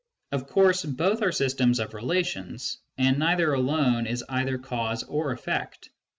Of course both are systems of relations, and neither alone is either cause or effect.